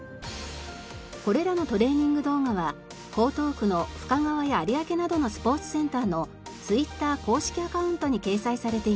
これらのトレーニング動画は江東区の深川や有明などのスポーツセンターのＴｗｉｔｔｅｒ公式アカウントに掲載されています。